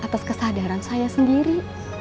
atas kesadaran saya sendiri